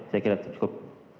saya kira cukup